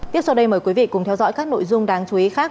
tiếp sau đây mời quý vị cùng theo dõi các nội dung đáng chú ý khác